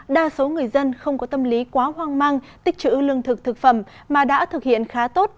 đa số người dân không có tâm lý quá hoang mang tích chữ lương thực thực phẩm mà đã thực hiện khá tốt